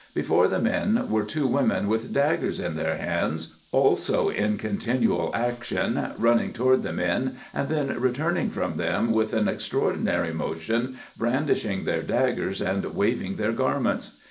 Before the men were two women with daggers in their hands, also in continual action, running toward the men and then returning from them with an extraordinary motion, brandishing their daggers, and waving their garments.